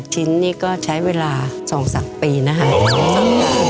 ชิ้นนี้ก็ใช้เวลา๒๓ปีนะคะ